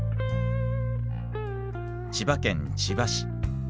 千葉県千葉市。